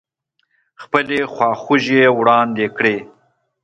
خپلې خواخوږۍ يې واړندې کړې.